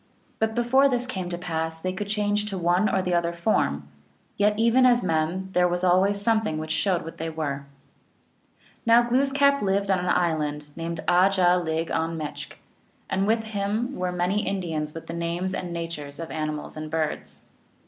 But before this came to pass, they could change to one or the other form ; yet even as men there was always something which showed what they were. 32 THE ALGONQUIN LEGENDS. Now Glooskap lived on an island named, Aja lig un mechk, and with him were many Indians with the names and natures of animals and birds.